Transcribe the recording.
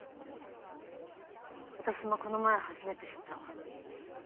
私もこの前初めて知った。